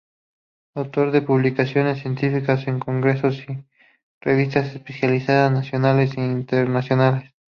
Autor de publicaciones científicas en congresos y revistas especializadas nacionales e internacionales.